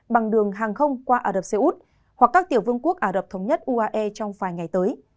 bằng đường hàng không qua ả rập xê út hoặc các tiểu vương quốc ả rập thống nhất uae trong vài ngày tới